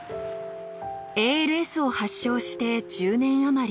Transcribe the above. ＡＬＳを発症して１０年余り。